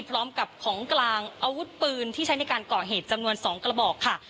พร้อมกับของกลางอาวุธปืนที่ใช้ในการก่อเหตุจำนวน๒กระบอกค่ะ